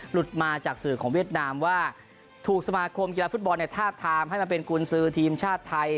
หลุดมาจากสื่อของเวียดนามว่าถูกสมาคมกีฬาฟุตบอลทาบทามให้มาเป็นกุญสือทีมชาติไทย